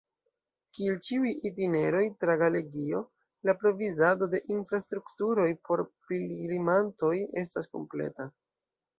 Kiel ĉiuj itineroj tra Galegio, la provizado de infrastrukturoj por pilgrimantoj estas kompleta.